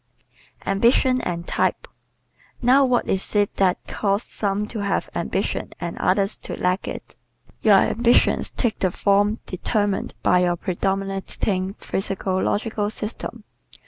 Ambition and Type ¶ Now what is it that causes some to have ambition and others to lack it? Your ambitions take the form determined by your predominating physiological system.